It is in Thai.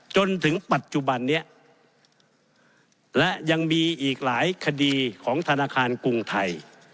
จนถึงปัจจุบันนี้และยังมีอีกหลายคดีของธนาคารกรุงไทย